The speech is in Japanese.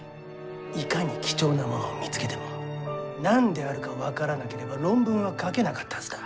いかに貴重なものを見つけても何であるか分からなければ論文は書けなかったはずだ。